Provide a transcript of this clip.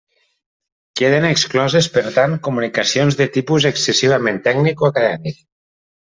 Queden excloses, per tant, comunicacions de tipus excessivament tècnic o acadèmic.